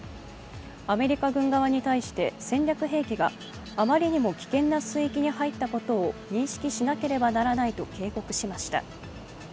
アメリカ軍側に対して戦略兵器があまりにも危険な水域に入ったことを認識しなければならないと警告しました。